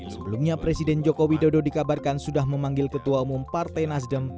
sebelumnya presiden joko widodo dikabarkan sudah memanggil ketua umum partai nasdem